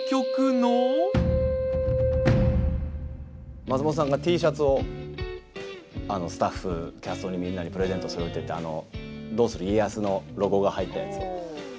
松本さんがＴシャツをスタッフ、キャストにみんなにプレゼントするといって「どうする家康」のロゴが入ったやつ。